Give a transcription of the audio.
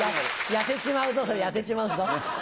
痩せちまうぞそれ痩せちまうぞ。